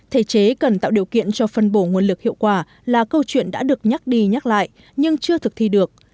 thể chế cần tạo điều kiện cho phân bổ nguồn lực hiệu quả là câu chuyện đã được nhắc đi nhắc lại nhưng chưa thực thi được